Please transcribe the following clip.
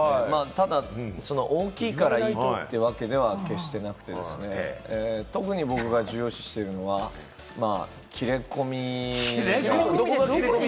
ただ大きいからいいというわけでは決してなくて、特に僕が重要視しているのは、切れ込みが。